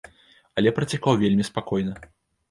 Але працякаў вельмі спакойна.